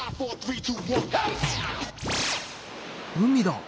海だ。